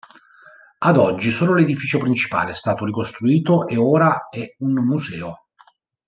Ad oggi, solo l'edificio principale è stato ricostruito e ora è un museo.